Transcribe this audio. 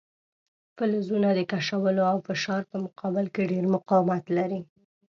فلزونه د کشولو او فشار په مقابل کې ډیر مقاومت لري.